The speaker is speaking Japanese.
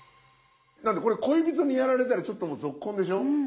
これ恋人にやられたらちょっともうぞっこんでしょ。